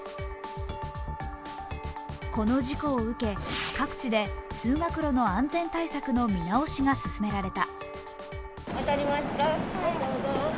この事故を受け、各地で通学路の安全対策の見直しが進められた。